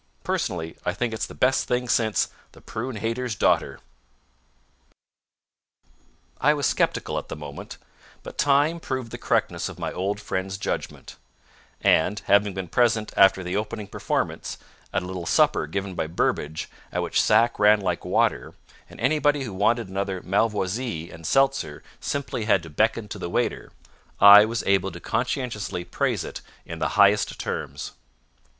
Personally, I think it's the best thing since The Prune Hater's Daughter." I was skeptical at the moment, but time proved the correctness of my old friend's judgment; and, having been present after the opening performance at a little supper given by Burbage at which sack ran like water, and anybody who wanted another malvoisie and seltzer simply had to beckon to the waiter, I was able to conscientiously praise it in the highest terms.